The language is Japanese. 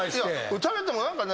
打たれても何かね